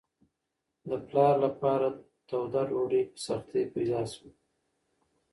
د پلار لپاره توده ډوډۍ په سختۍ پیدا شوه.